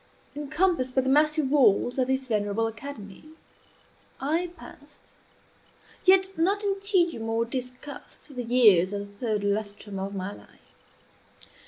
Encompassed by the massy walls of this venerable academy, I passed, yet not in tedium or disgust, the years of the third lustrum of my life.